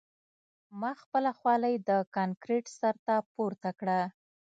ما خپله خولۍ د کانکریټ سر ته پورته کړه